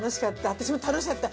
私も楽しかった。